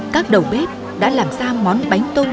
các đầu bếp đã làm ra món bánh tôm